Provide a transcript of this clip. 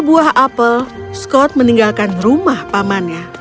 sejak di sikerit scot meninggalkan rumah pamannya